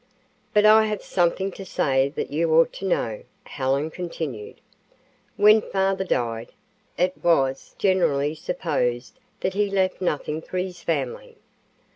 "But I have something to say that you ought to know," Helen continued. "When father died, it was generally supposed that he left nothing for his family.